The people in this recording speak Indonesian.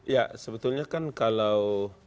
ya sebetulnya kan kalau